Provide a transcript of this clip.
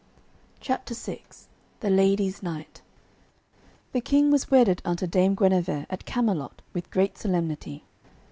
CHAPTER VI THE LADIES' KNIGHT The King was wedded unto Dame Guenever at Camelot with great solemnity.